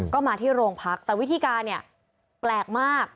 ก็มาที่โรงพักแต่วิธีการเนี่ยแปลกมาก